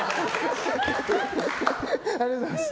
ありがとうございます。